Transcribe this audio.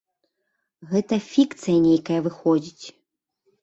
Гэта фікцыя нейкая выходзіць.